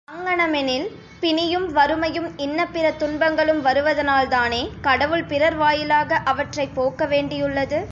அங்ஙனமெனில், பிணியும் வறுமையும் இன்னபிற துன்பங்களும் வருவதனால்தானே கடவுள் பிறர் வாயிலாக அவற்றைப் போக்க வேண்டியுள்ளது?